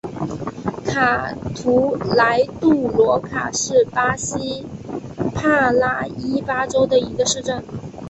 卡图莱杜罗卡是巴西帕拉伊巴州的一个市镇。